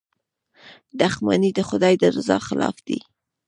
• دښمني د خدای د رضا خلاف ده.